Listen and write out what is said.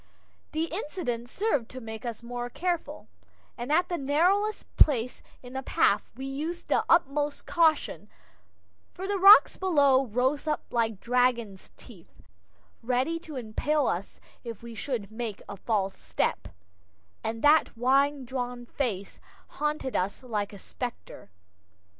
The incident served to make us more careful, and at the narrowest place in the path we used the utmost caution, for the rocks below rose up like dragon's teeth, ready to impale us if we should make a false step and that white drawn face haunted us like a specter.